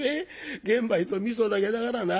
玄米とみそだけだからな。